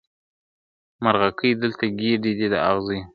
مرغکۍ دلته ګېډۍ دي د اغزیو ,